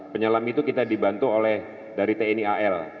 penyelam itu kita dibantu oleh dari tni al